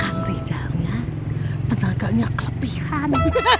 kang rijalnya tenaganya kelebihan